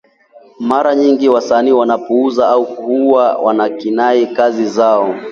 Mara nyingi wasanii wanapuuza au huwa wanakinai kazi zao